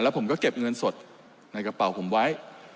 ผมก็เก็บเงินสดในกระเป๋าผมไว้